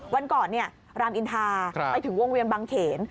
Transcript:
วันก่อนรามอินทาไปถึงวงเวียนบางเขน